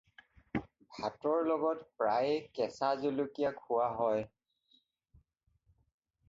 ভাতৰ লগত প্ৰায়েই কেঁচা জলকীয়া খোৱা হয়।